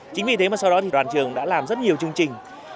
chính vì thế mà sau đó thì đoàn trường đã làm rất nhiều chương trình